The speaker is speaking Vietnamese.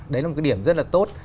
đấy là một cái điểm rất là tốt